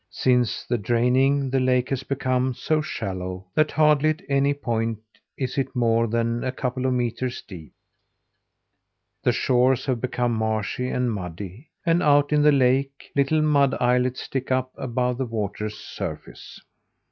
Since the draining the lake has become so shallow that hardly at any point is it more than a couple of metres deep. The shores have become marshy and muddy; and out in the lake, little mud islets stick up above the water's surface.